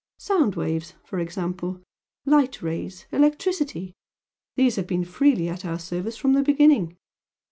Sound waves for example light rays, electricity these have been freely at our service from the beginning.